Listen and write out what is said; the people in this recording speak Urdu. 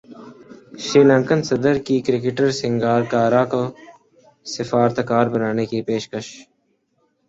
سری لنکن صدر کی کرکٹر سنگاکارا کو سفارتکار بننے کی پیشکش